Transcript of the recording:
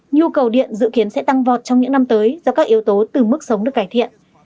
nhu cầu điện dự kiến sẽ tăng vọt trong những năm tới do các yếu tố từ mức sống được cải thiện